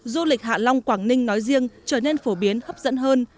du lịch hạ long quảng ninh nói riêng trở nên phổ biến hấp dẫn hơn